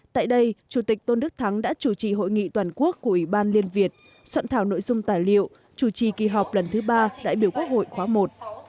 tại đây chủ tịch tôn đức thắng đã chủ trì hội nghị toàn quốc của ủy ban liên việt soạn thảo nội dung tài liệu chủ trì kỳ họp lần thứ ba đại biểu quốc hội khóa i